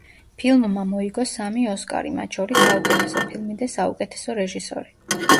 ფილმმა მოიგო სამი ოსკარი, მათ შორის საუკეთესო ფილმი და საუკეთესო რეჟისორი.